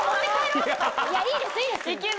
いいですいいです。